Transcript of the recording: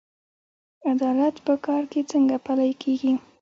عدالت په کار کې څنګه پلی کیږي؟